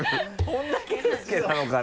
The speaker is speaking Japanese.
本田圭佑なのかな？